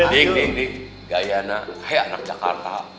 dik dik dik gak iya nak kayak anak jakarta